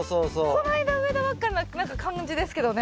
こないだ植えたばっかな感じですけどね。